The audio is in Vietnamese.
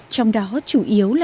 trong đó chủ yếu là